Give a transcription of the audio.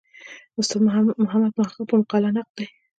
استاد محمد محق پر مقاله نقد دی.